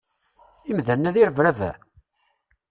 Imdanen-a d irebraben?